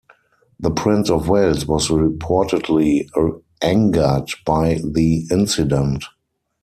The Prince of Wales was reportedly angered by the incident.